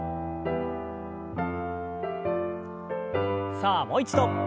さあもう一度。